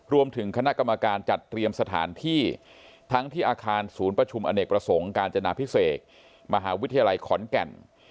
รวมถึงคณะกรรมการจัดเตรียมสถานที่ทั้งที่อาคารศูนย์ประชุมอเนกประสงค์การจนาพิเศษมหาวิทยาลัยขอนแก่น